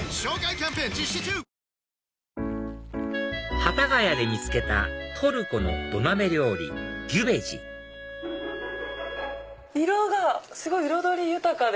幡ヶ谷で見つけたトルコの土鍋料理ギュベジすごい彩り豊かで。